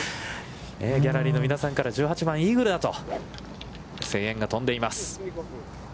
ギャラリーの皆さんから、１７番はイーグルだと声援が飛んでいます。